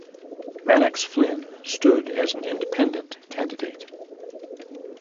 Mannix Flynn stood as an independent candidate.